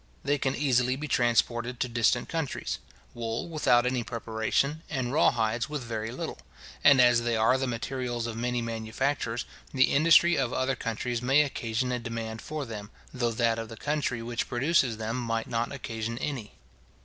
They can easily be transported to distant countries; wool without any preparation, and raw hides with very little; and as they are the materials of many manufactures, the industry of other countries may occasion a demand for them, though that of the country which produces them might not occasion any.